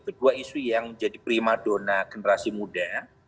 kedua isu yang menjadi prima dona generasi muda